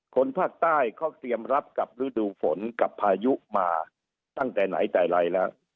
คนภาคใต้เขาเตรียมรับกับฤดูฝนกับพายุมาตั้งแต่ไหนแต่ไรแล้ว